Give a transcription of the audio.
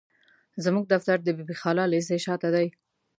زموږ دفتر د بي بي خالا ليسي شاته دي.